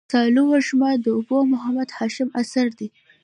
سالو وږمه د ابو محمد هاشم اثر دﺉ.